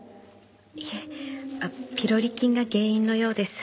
いえピロリ菌が原因のようです。